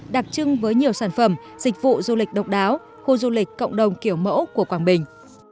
đặc trưng với nhiều sản phẩm dịch vụ du lịch độc đáo khu du lịch cộng đồng kiểu mẫu của quảng bình